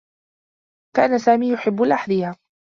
كان سامي يحبّ الأحذية.